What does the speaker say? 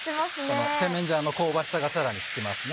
この甜麺醤の香ばしさがさらにつきますね。